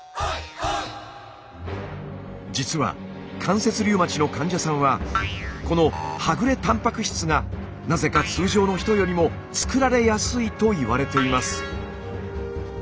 実は関節リウマチの患者さんはこのはぐれたんぱく質がなぜか通常の人よりも作られやすいといわれています。